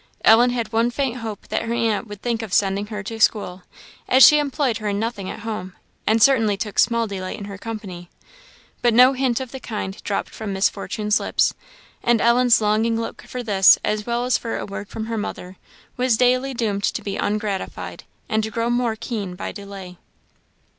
Ellen had one faint hope that her aunt would think of sending her to school, as she employed her in nothing at home, and certainly took small delight in her company; but no hint of the kind dropped from Miss Fortune's lips; and Ellen's longing look for this as well as for a word from her mother, was daily doomed to be ungratified, and to grow more keen by delay.